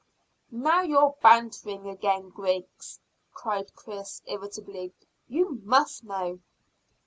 "Now you're bantering again, Griggs," cried Chris irritably. "You must know."